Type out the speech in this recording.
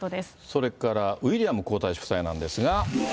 それからウィリアム皇太子夫妻なんですが。